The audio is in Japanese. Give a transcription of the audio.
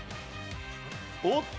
おっと？